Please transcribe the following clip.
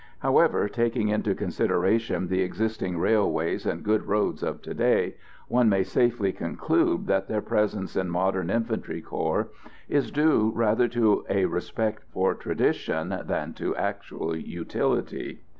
However, taking into consideration the existing railways and good roads of to day, one may safely conclude that their presence in modern infantry corps is due rather to a respect for tradition than to actual utility.